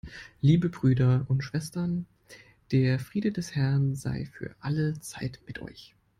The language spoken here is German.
Liebe Brüder und Schwestern, der Friede des Herrn sei für alle Zeit mit euch.